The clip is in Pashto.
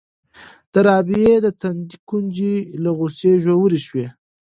د رابعې د تندي ګونځې له غوسې ژورې شوې.